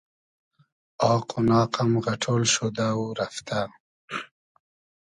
آق و ناق ام غئݖۉل شودۂ و رئفتۂ